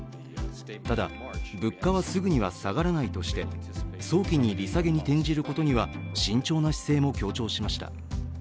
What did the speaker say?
ただ、物価はすぐには下がらないとして早期に利下げに転じることには慎重な姿勢も示しました。